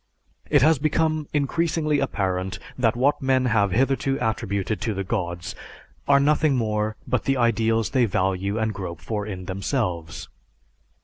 It has become increasingly apparent that what men have hitherto attributed to the gods are nothing but the ideals they value and grope for in themselves.